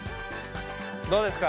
どうですか？